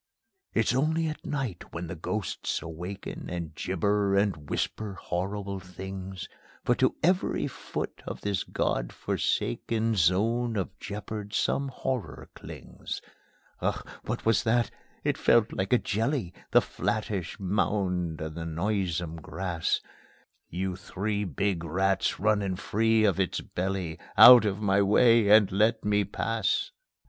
It's only at night when the ghosts awaken, And gibber and whisper horrible things; For to every foot of this God forsaken Zone of jeopard some horror clings. Ugh! What was that? It felt like a jelly, That flattish mound in the noisome grass; You three big rats running free of its belly, Out of my way and let me pass!